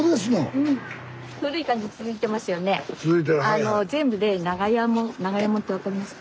あの全部で長屋門「長屋門」って分かりますか？